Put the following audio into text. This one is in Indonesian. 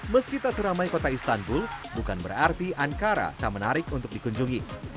meski tak seramai kota istanbul bukan berarti ankara tak menarik untuk dikunjungi